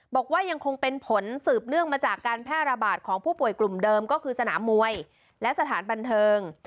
บอกว่ายังคงเป็นผลสืบเนื่องมาจากการแพร่ระบาดของผู้ป่วยกลุ่มเดิมก็คือสนามมวยและสถานบันเทิง